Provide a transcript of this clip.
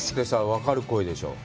分かる声でしょう。